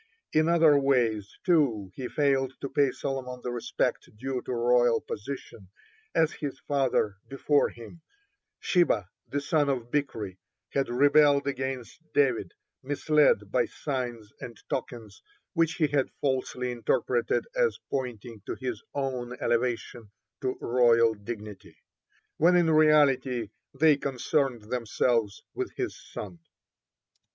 In other ways, too, he failed to pay Solomon the respect due to royal position, as his father before him, Sheba the son of Bichri, had rebelled against David, misled by signs and tokens which he had falsely interpreted as pointing to his own elevation to royal dignity, when in reality they concerned themselves with his son.